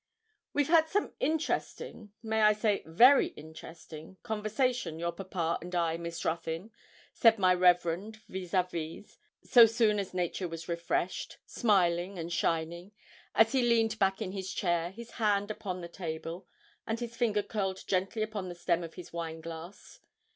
'We have had some interesting I may say very interesting conversation, your papa and I, Miss Ruthyn,' said my reverend vis à vis, so soon as nature was refreshed, smiling and shining, as he leaned back in his chair, his hand upon the table, and his finger curled gently upon the stem of his wine glass.